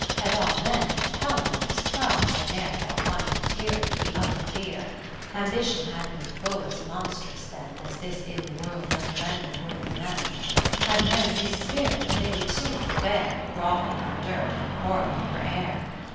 Had all men been Palaemons, Pride had ne'er Taught one man Tyranny, the other Fear; Ambition had been full as monstrous then As this ill World doth render W'Orthy men. 40 Had men his spirit, they would soon forbear Grovelling for dirt, and quarrelling for air.